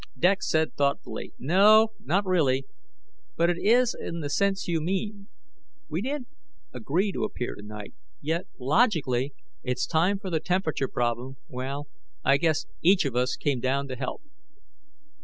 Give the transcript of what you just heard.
Dex said thoughtfully, "No, not really, but it is in the sense you mean. We didn't agree to appear tonight. Yet logically, it's time for the temperature problem well, I guess each of us came down to help."